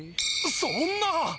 そんなあ！